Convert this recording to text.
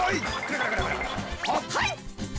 はい。